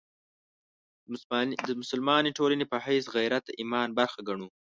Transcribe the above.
د مسلمانې ټولنې په حیث غیرت د ایمان برخه ګڼو.